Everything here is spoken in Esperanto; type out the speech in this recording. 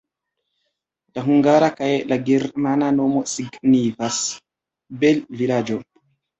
La hungara kaj la germana nomo signifas "bel-vilaĝo".